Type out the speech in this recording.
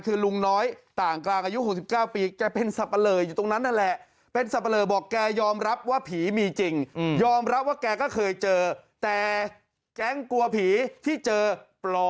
คุยกันอยู่ดีผีดึงไหล่